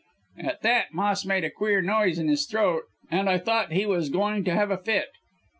"At that Moss made a queer noise in his throat, and I thought he was going to have a fit.